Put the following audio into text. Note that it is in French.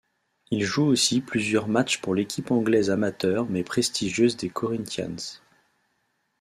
Il joue aussi plusieurs matches pour l'équipe anglaise amateur mais prestigieuse des Corinthians.